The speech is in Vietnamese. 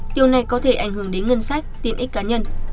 điều này có thể ảnh hưởng đến ngân sách tiện ích cá nhân